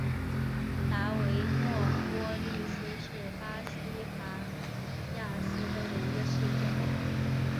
达维诺波利斯是巴西戈亚斯州的一个市镇。